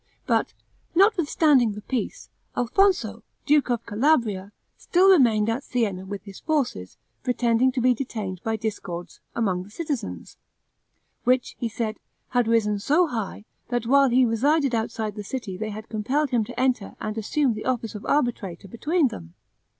But, notwithstanding the peace, Alfonso, duke of Calabria, still remained at Sienna with his forces, pretending to be detained by discords among the citizens, which, he said, had risen so high, that while he resided outside the city they had compelled him to enter and assume the office of arbitrator between them.